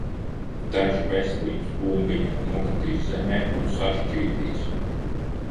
Taču veselības bumbiņa nokritīs zemē un sašķīdīs.